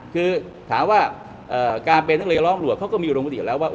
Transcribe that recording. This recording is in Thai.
คือถามว่าการเป็นนักเรียนร้องรวจเขาก็มีอุดมติอยู่แล้วว่า